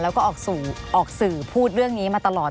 แล้วก็ออกสื่อพูดเรื่องนี้มาตลอด